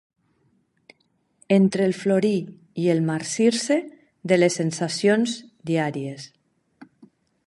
Entre el florir i el marcir-se de les sensacions diàries.